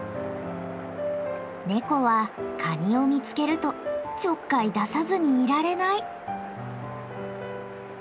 ネコはカニを見つけるとちょっかい出さずにいられない。